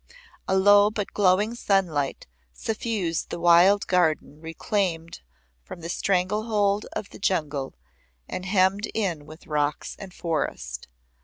A low but glowing sunlight suffused the wild garden reclaimed from the strangle hold of the jungle and hemmed in with rocks and forest.